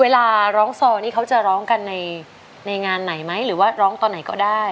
เวลาร้องซอนี่เขาจะร้องกันในงานไหนไหมหรือว่าร้องตอนไหนก็ได้